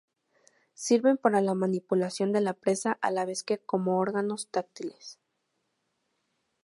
Sirven para la manipulación de la presa a la vez que como órganos táctiles.